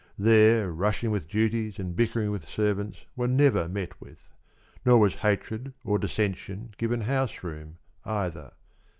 There rushing with duties and bickering with servants were never met with, nor was hatred or dissension given house room, either.